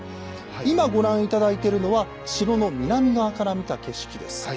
今ご覧頂いてるのは城の南側から見た景色です。